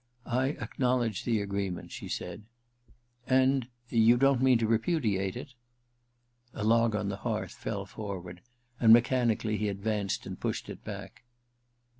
' I acknow ledge the agreement,' she said. * And — you don't mean to repudiate it }' 21 8 THE RECKONING ii A log on the hearth fell forward^ and mechanically he advanced and pushed it back.